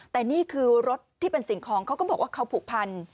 แต่นี่คือรถที่เป็นสิ่งของเขาก็บอกว่าเขาผูกพัน